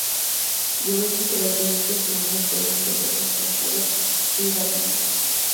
Diversas características comunes pueden encontrarse entre los pueblos iranios.